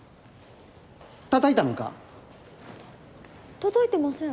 たたいてません。